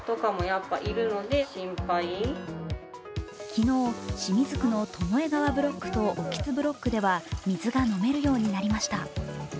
昨日、清水区の巴川ブロックと興津ブロックでは水が飲めるようになりました。